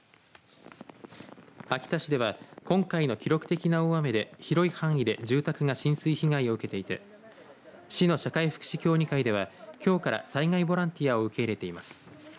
秋田市では今回の記録的な大雨で広い範囲で住宅が浸水被害を受けていて市の社会福祉協議会ではきょうから災害ボランティアを受け入れています。